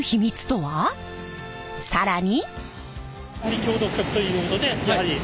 更に。